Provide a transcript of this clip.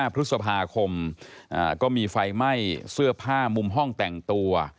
พฤษภาคมก็มีไฟไหม้เสื้อผ้ามุมห้องแต่งตัว